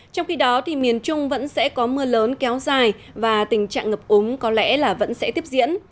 trong khi đó miền trung vẫn sẽ có mưa lớn kéo dài và tình trạng ngập úng có lẽ là vẫn sẽ tiếp diễn